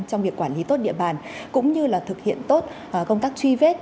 trong việc quản lý tốt địa bàn cũng như là thực hiện tốt công tác truy vết